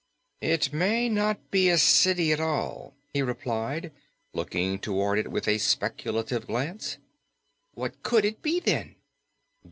"It may not be a city at all," he replied, looking toward it with a speculative glance. "What COULD it be, then?"